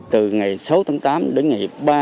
từ ngày sáu tám đến ngày ba mươi tám